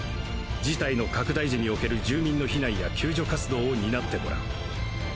事態の拡大時における住民の避難や救助活動を担ってもらう。